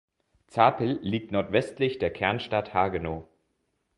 Zapel liegt nordwestlich der Kernstadt Hagenow.